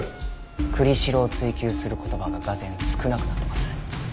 栗城を追及する言葉が俄然少なくなってます。